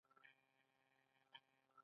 په دې لړ کې استرالیا ډېره مشهوره وه.